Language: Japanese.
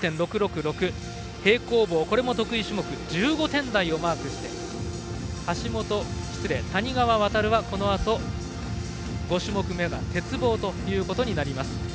平行棒、これも得意種目１５点台をマークして谷川航はこのあと５種目め鉄棒ということになります。